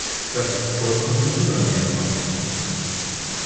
Das ist vollkommen unannehmbar!